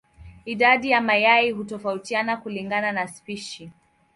Idadi ya mayai hutofautiana kulingana na spishi.